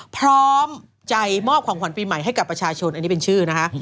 พร้อมใจมอบของขวัญปีใหม่ให้กับประชาชนอันนี้เป็นชื่อนะคะ